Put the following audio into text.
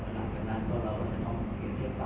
หลังจากนั้นก็เราจะทำเกียรติเกียรติปาก